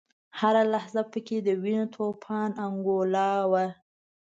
هره لحظه په کې د وینو د توپان انګولا وه.